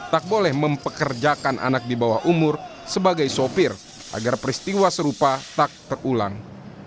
tak boleh mempekerjakan anak di bawah umur sebagai sopir agar peristiwa serupa tak terulang